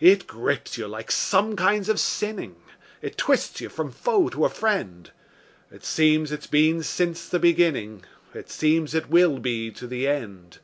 It grips you like some kinds of sinning; It twists you from foe to a friend; It seems it's been since the beginning; It seems it will be to the end.